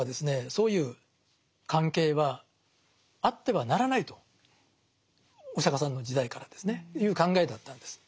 そういう関係はあってはならないとお釈迦さんの時代からですねいう考えだったんです。